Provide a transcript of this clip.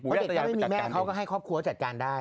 เพราะเด็กยังไม่มีแม่เขาก็ให้ครอบครัวจัดการได้